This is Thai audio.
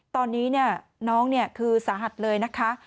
ตอนนี้น้องคือสาหัสเลยนะคะ